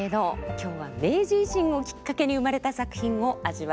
今日は明治維新をきっかけに生まれた作品を味わいます。